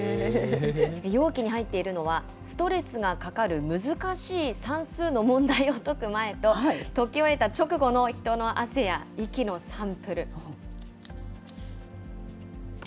容器に入っているのは、ストレスがかかる難しい算数の問題を解く前と、解き終えた直後の人の汗や息のサンプル。